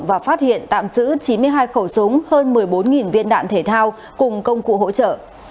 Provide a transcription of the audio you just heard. và phát hiện tạm giữ chín mươi hai khẩu súng hơn một mươi bốn viên đạn thể thao cùng công cụ hỗ trợ